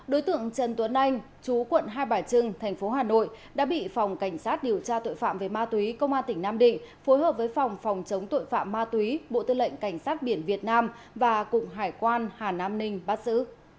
đối tượng trần tuấn anh chú quận hai bà trưng thành phố hà nội đã bị phòng cảnh sát điều tra tội phạm về ma túy công an tỉnh nam định phối hợp với phòng phòng chống tội phạm ma túy bộ tư lệnh cảnh sát biển việt nam và cục hải quan hà nam ninh bắt giữ